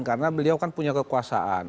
karena beliau kan punya kekuasaan